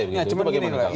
ya cuma begini